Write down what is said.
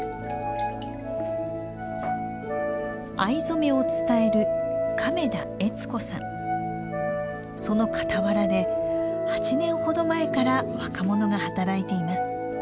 藍染めを伝えるその傍らで８年ほど前から若者が働いています。